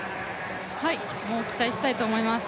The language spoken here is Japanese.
期待したいと思います。